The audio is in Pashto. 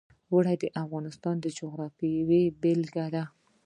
اوړي د افغانستان د جغرافیې بېلګه ده.